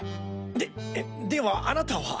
でっではあなたは？